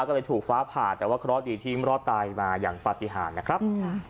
ก็เลยถูกฟ้าผ่าแต่ว่าเคราะห์ดีที่รอดตายมาอย่างปฏิหารนะครับ